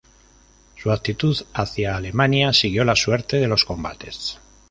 Su actitud hacia Alemania siguió la suerte de los combates.